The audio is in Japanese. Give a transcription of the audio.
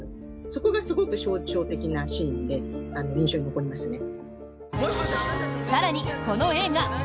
そこがすごく象徴的なシーンで印象に残りましたね。